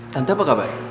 tante apa kabar